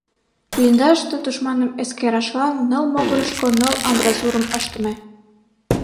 Блиндажыште тушманым эскерашлан ныл могырышко ныл амбразурым ыштыме.